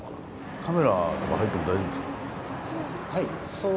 カメラとか入っても大丈夫ですか？